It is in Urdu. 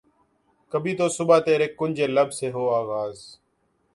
کبھی تو صبح ترے کنج لب سے ہو آغاز